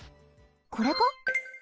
これか？